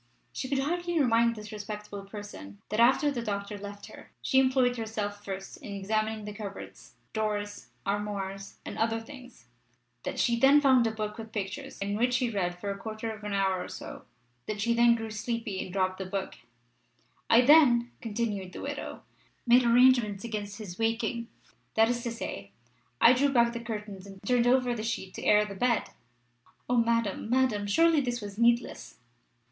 She could hardly remind this respectable person that after the doctor left her she employed herself first in examining the cupboards, drawers, armoire, and other things; that she then found a book with pictures, in which she read for a quarter of an hour or so; that she then grew sleepy and dropped the book "I then," continued the widow, "made arrangements against his waking that is to say, I drew back the curtains and turned over the sheet to air the bed" O Madame! Madame! Surely this was needless!